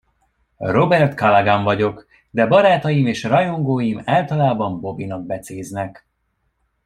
Robert Calaghan vagyok, de barátaim és rajongóim általában Bobbynak becéznek.